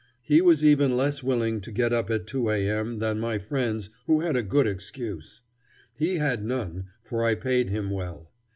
He was even less willing to get up at 2 A.M. than my friends who had a good excuse. He had none, for I paid him well.